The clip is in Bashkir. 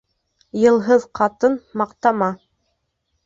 Йылһыҙ ҡатын маҡтама.